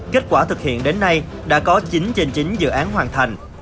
kết quả thực hiện đến nay đã có chín trên chín dự án hoàn thành